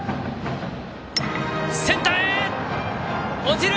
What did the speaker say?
センターへ落ちた！